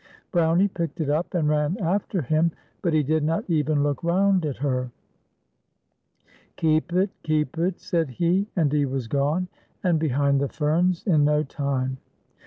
Brownie picked it up and ran after him, but he did not even look round at her. " Keep it, keep it," said he ; and he was gone and behind the ferns in no time.